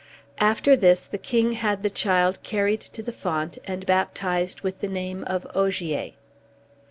After this the king had the child carried to the font and baptized with the name of Ogier.